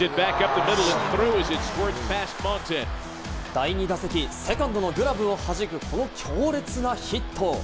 第２打席、セカンドのグラブをはじく強烈なヒット。